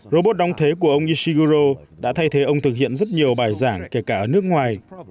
robot đóng thế của ông ishigoro đã thay thế ông thực hiện rất nhiều bài giảng kể cả ở nước ngoài